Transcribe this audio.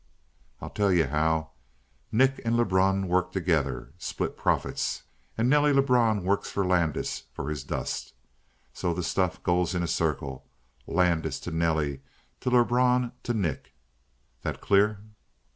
"I'll tell you how. Nick and Lebrun work together. Split profits. And Nelly Lebrun works Landis for his dust. So the stuff goes in a circle Landis to Nelly to Lebrun to Nick. That clear?"